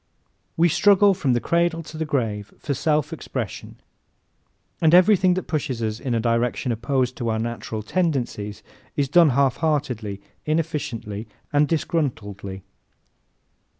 We struggle from the cradle to the grave for self expression and everything that pushes us in a direction opposed to our natural tendencies is done half heartedly, inefficiently and disgruntledly.